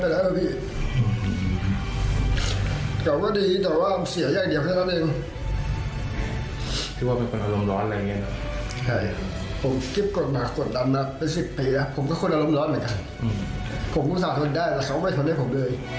เราก็ดีแต่ว่าเสียยากเดียวแค่นั้นเอง